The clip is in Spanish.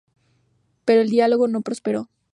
Pero el diálogo no prosperó.